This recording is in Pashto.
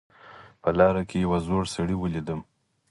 په لاره کې یو زوړ سړی ولیدم